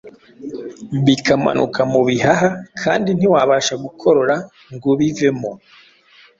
bikamanuka mu bihaha kandi ntiwabasha gukorora ngo bivemo.